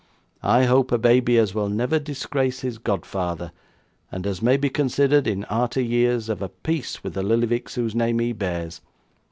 'I hope a baby as will never disgrace his godfather, and as may be considered, in arter years, of a piece with the Lillyvicks whose name he bears.